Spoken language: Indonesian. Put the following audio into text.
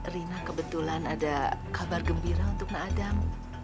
rina kebetulan ada kabar gembira untuk nadang